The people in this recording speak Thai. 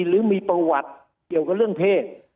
หรือมีประวัติเกี่ยวกับเรื่องเพศ